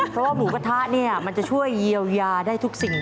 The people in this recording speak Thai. เพราะว่าหมูกระทะเนี่ยมันจะช่วยเยียวยาได้ทุกสิ่ง